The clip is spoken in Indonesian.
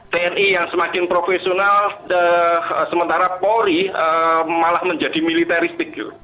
tni yang semakin profesional sementara polri malah menjadi militeristik